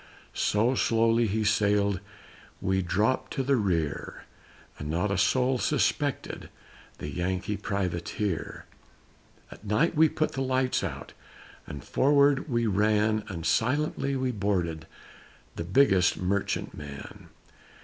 So slowly he sailed We dropped to the rear, And not a soul suspected The Yankee Privateer. At night we put the lights out And forward we ran And silently we boarded The biggest merchantman.